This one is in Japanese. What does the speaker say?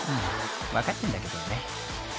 ［分かってんだけどね］